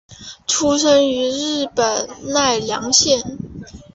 出身于日本奈良县。